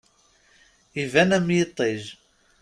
Iban am yiṭij.